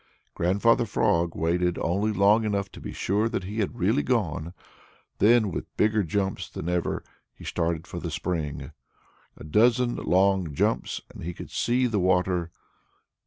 Grandfather Frog waited only long enough to be sure that he had really gone. Then, with bigger jumps than ever, he started for the spring. A dozen long jumps, and he could see the water.